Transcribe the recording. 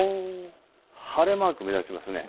晴れマークが目立ちますよね。